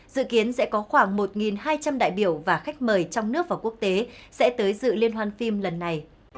dự kiến sẽ có khoảng một hai trăm linh đại biểu và khách mời trong nước và quốc tế sẽ tới dự liên hoan phim lần này